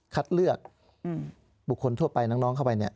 คัดเลือกบุคคลทั่วไปน้องเข้าไปเนี่ย